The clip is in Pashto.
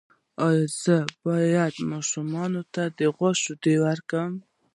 ایا زه باید ماشوم ته د غوا شیدې ورکړم؟